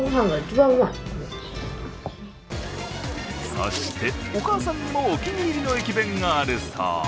そして、お母さんにもお気に入りの駅弁があるそう。